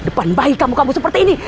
depan bayi kamu kamu seperti ini